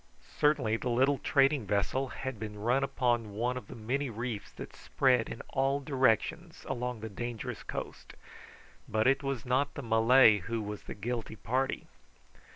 Certainly the little trading vessel had been run upon one of the many reefs that spread in all directions along the dangerous coast; but it was not the Malay who was the guilty party.